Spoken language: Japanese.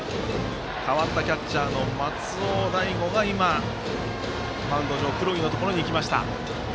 変わったキャッチャーの松尾大悟が今、マウンドの黒木のところに行きました。